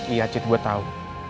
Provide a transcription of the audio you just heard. iya cit gue tau